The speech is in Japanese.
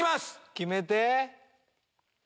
決めて。